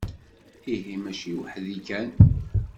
Ihi mačči weḥd-i kan.